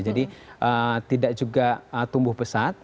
jadi tidak juga tumbuh pesat